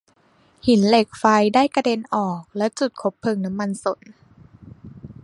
หินเหล็กไฟได้กระเด็นออกและจุดคบเพลิงน้ำมันสน